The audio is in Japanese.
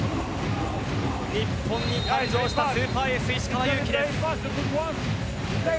日本に登場したスーパーエース石川祐希です。